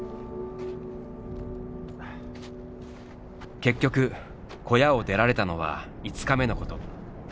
結局小屋を出られたのは５日目のこと。